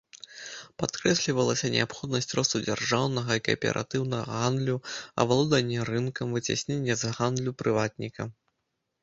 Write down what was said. Падкрэслівалася неабходнасць росту дзяржаўнага і кааператыўнага гандлю, авалоданне рынкам, выцясненне з гандлю прыватніка.